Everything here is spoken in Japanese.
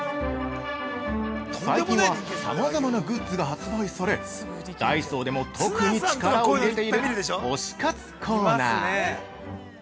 ◆最近は、さまざまなグッズが発売されダイソーでも特に力を入れている推し活コーナー。